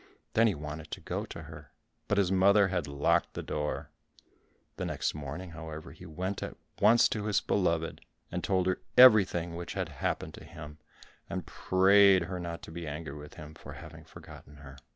Then he wanted to go to her, but his mother had locked the door. The next morning, however, he went at once to his beloved, and told her everything which had happened to him, and prayed her not to be angry with him for having forgotten her.